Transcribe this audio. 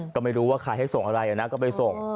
ก็ไม่รู้ว่าใครให้ส่งอะไรนะก็ไปส่ง